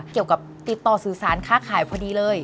เกี่ยวกับติดต่อสื่อสารค้าขายพอดีเลย